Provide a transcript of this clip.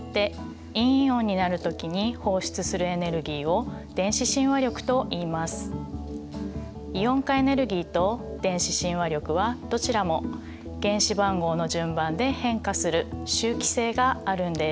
反対に原子が電子を受け取ってイオン化エネルギーと電子親和力はどちらも原子番号の順番で変化する周期性があるんです。